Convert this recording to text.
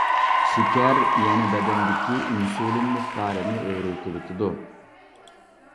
شېكەر يەنە بەدەندىكى ئىنسۇلىن مىقدارىنى ئۆرلىتىۋېتىدۇ.